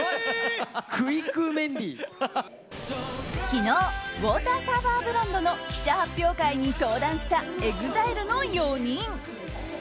昨日ウォーターサーバーブランドの記者発表に登壇したＥＸＩＬＥの４人。